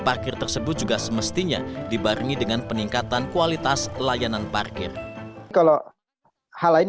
parkir tersebut juga semestinya dibarengi dengan peningkatan kualitas layanan parkir kalau hal lain